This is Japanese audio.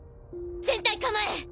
全隊構え！